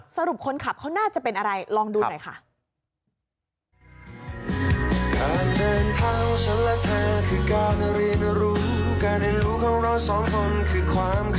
สรุปคนขับเขาน่าจะเป็นอะไรลองดูหน่อยค่ะ